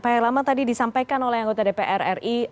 pak herlama tadi disampaikan oleh anggota dpr ri